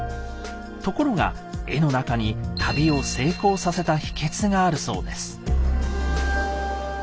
ところが絵の中に旅を成功させた秘訣があるそうです。